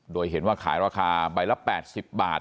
โดยเห็นว่าขายราคาใบละ๘๐บาท